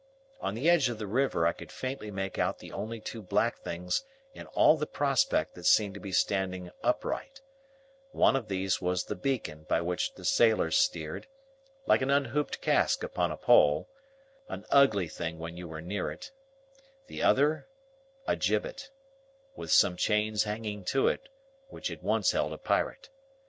On the edge of the river I could faintly make out the only two black things in all the prospect that seemed to be standing upright; one of these was the beacon by which the sailors steered,—like an unhooped cask upon a pole,—an ugly thing when you were near it; the other, a gibbet, with some chains hanging to it which had once held a pirate.